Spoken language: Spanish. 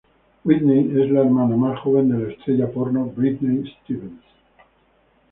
Whitney es la hermana más joven de la estrella porno, Britney Stevens.